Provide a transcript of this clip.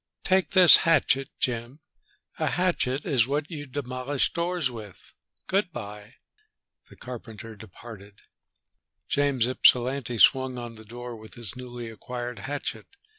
"Take this hatchet, Jim. A hatchet is what you demolish doors with! Good by." The carpenter departed. James Ypsilanti swung on the door with his newly acquired hatchet.